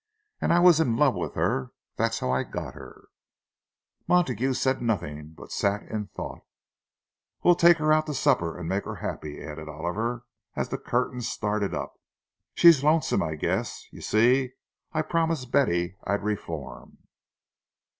And I was in love with her—that's how I got her." Montague said nothing, but sat in thought. "We'll take her out to supper and make her happy," added Oliver, as the curtain started up. "She's lonesome, I guess. You see, I promised Betty I'd reform."